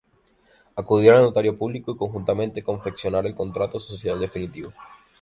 Acudir al notario público y conjuntamente, confeccionar el contrato social definitivo.